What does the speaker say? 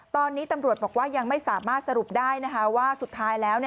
ตอนนี้ตำรวจบอกว่ายังไม่สามารถสรุปได้ว่าสุดท้ายแล้ว